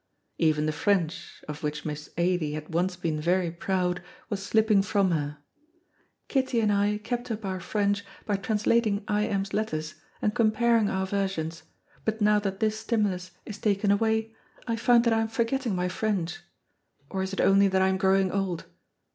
Even the French, of which Miss Ailie had once been very proud, was slipping from her. "Kitty and I kept up our French by translating I M 's letters and comparing our versions, but now that this stimulus is taken away I find that I am forgetting my French. Or is it only that I am growing old?